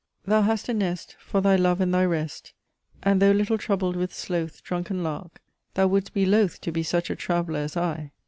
"Thou hast a nest, for thy love and thy rest And though little troubled with sloth Drunken lark! thou would'st be loth To be such a traveller as I.